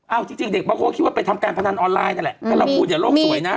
เอ้าจริงเด็กบ้างก็คิดว่าไปทำการพนันออนไลน์นั่นแหละ